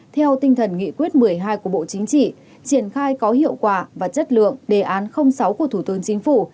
theo tinh thần nghị quyết một mươi hai của bộ chính trị triển khai có hiệu quả và chất lượng đề án sáu của thủ tướng chính phủ